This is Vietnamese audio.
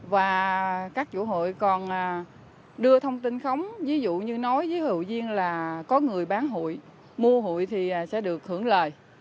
và các chủ hội còn đưa thông tin khóng ví dụ như nói với hội viên là có người bán hội mua hội thì sẽ được hưởng lời